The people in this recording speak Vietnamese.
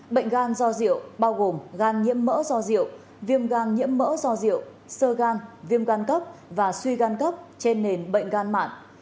bệnh gan do rượu bao gồm gan nhiễm mỡ do rượu viêm gan nhiễm mỡ do rượu sơ gan viêm gan cấp và suy gan cấp trên nền bệnh gan mạng